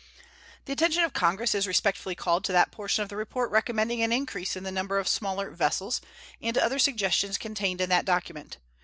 The attention of Congress is respectfully called to that portion of the report recommending an increase in the number of smaller vessels, and to other suggestions contained in that document.